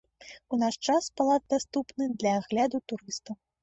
У наш час палац даступны для агляду турыстаў.